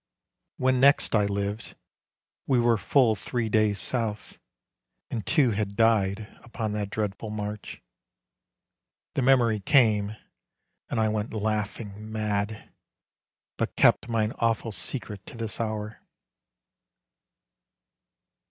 When next I lived, we were full three days south, And two had died upon that dreadful march; The memory came, and I went laughing mad, But kept mine awful secret to this hour.